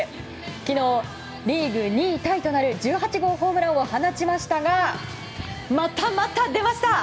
昨日、リーグ２位タイとなる１８号ホームランを放ちましたがまたまた出ました！